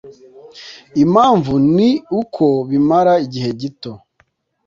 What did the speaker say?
Impamvu ni uko bimara igihe gito